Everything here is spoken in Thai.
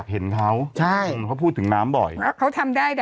บ่นหนูบ่อยก็ได้นะ